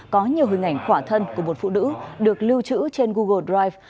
có nhiều hình ảnh quả thân của một phụ nữ được lưu trữ trên google drive